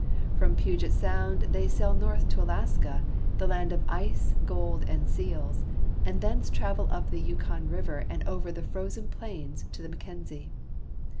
From Puget Sound they sail north to Alaska, the land of ice, gold, and seals, and thence travel up the Yukon River and over the frozen plains to the Mackenzie.